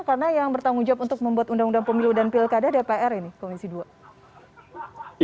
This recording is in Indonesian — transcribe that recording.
karena yang bertanggung jawab untuk membuat uu pemilu dan pilkada dpr ini komisi dua